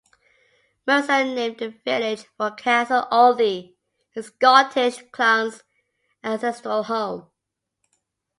Mercer named the village for Castle Aldie, his Scottish clan's ancestral home.